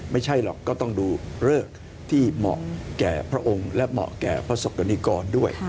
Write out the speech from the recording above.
ไม่ใช่หรอกก็ต้องดูเลิกที่เหมาะแก่พระองค์และเหมาะแก่พระศกรณิกรด้วย